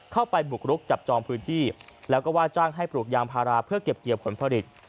บุกรุกจับจองพื้นที่แล้วก็ว่าจ้างให้ปลูกยางพาราเพื่อเก็บเกี่ยวผลผลิต